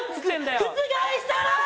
覆したらぁ！